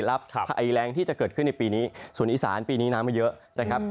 ภัยแรงที่จะเกิดขึ้นในปีนี้ส่วนอีสานปีนี้น้ำก็เยอะนะครับ